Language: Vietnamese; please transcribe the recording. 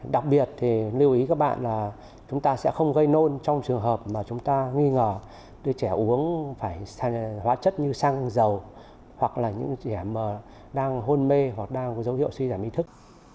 đặc biệt thì lưu ý các bạn là chúng ta sẽ không gây nôn trong trường hợp mà chúng ta nghi ngờ đứa trẻ uống phải hóa chất như xăng dầu hoặc là những trẻ mà đang hôn mê hoặc đang có dấu hiệu suy giảm ý thức